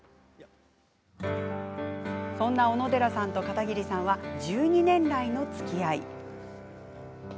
そんな小野寺さんと片桐さんは１２年来のつきあい。